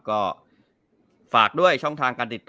ก็ฝากด้วยช่องทางการแบบนี้นะครับ